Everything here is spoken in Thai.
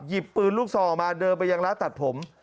ปืนลูกซองออกมาเดินไปยังร้านตัดผม